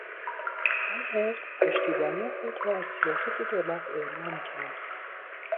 آن حزب پشتیبانی خود را از سیاست دولت اعلام کرد.